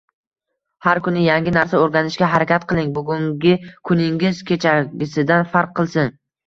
Har kuni yangi narsa o‘rganishga harakat qiling, bugungi kuningiz kechagisidan farq qilsin.